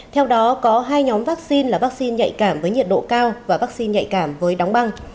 theo đó có hai nhóm vaccine là vaccine nhạy cảm với nhiệt độ cao và vaccine nhạy cảm với đóng băng